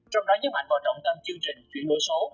trong đó nhấn mạnh vào trọng tâm chương trình chuyển đổi số